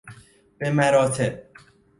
به مراتب